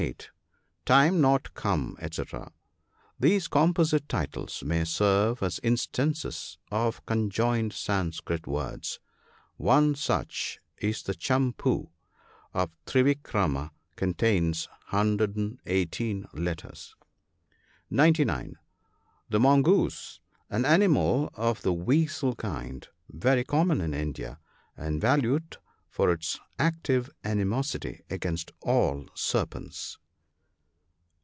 Time not come, &°c. — These composite titles may serve as instances of conjoined Sanskrit words. One such in the Champii of Trivik rama contains 118 letters. (990 The Mongoose, — An animal of the weasel kind, very common in India, and valued for its active animosity against all serpents.